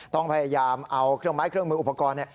ต้องพยายามเอาเครื่องไม้เครื่องมืออุปกรณ์